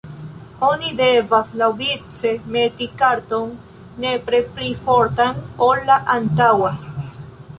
Oni devas laŭvice meti karton, nepre pli fortan, ol la antaŭa.